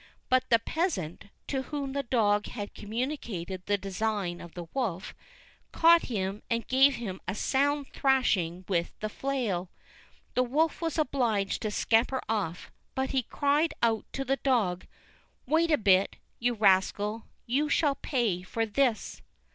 But the peasant, to whom the dog had communicated the design of the wolf, caught him and gave him a sound thrashing with the flail. The wolf was obliged to scamper off, but he cried out to the dog: "Wait a bit, you rascal, you shall pay for this!"